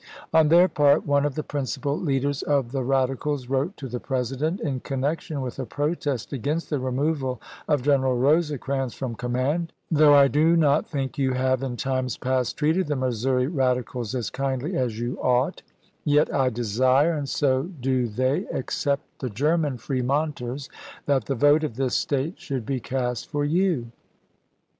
On their part, one of isei. ms. the principal leaders of the Radicals wrote to the President, in connection with a protest against the removal of General Rosecrans from command, " Though I do not think you have in times past treated the Missouri Radicals as kindly as you ought, yet I desire, and so do they (except the German Fremonters), that the vote of this State should be cast for you.